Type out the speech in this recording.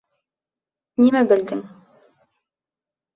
— Нимә белдең?